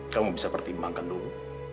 kamu bisa pertimbangkan dulu